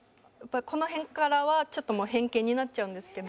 この辺からはちょっともう偏見になっちゃうんですけど。